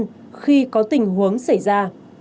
và các hộ dân khi có tình huống xảy ra